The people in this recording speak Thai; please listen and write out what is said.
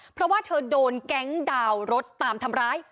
เพราะว่าเธอโดนแก๊งดาวรถตามทำร้าย